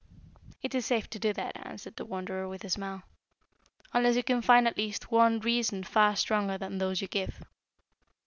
"It is safe to do that," answered the Wanderer with a smile, "unless you can find at least one reason far stronger than those you give.